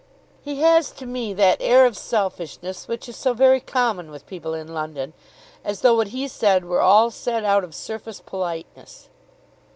"He has to me that air of selfishness which is so very common with people in London; as though what he said were all said out of surface politeness."